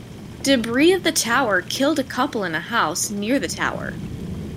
Debris of the tower killed a couple in a house near the tower.